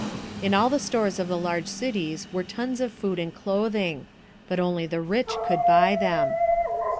In all the stores of the large cities were tons of food and clothing; but only the rich could buy them.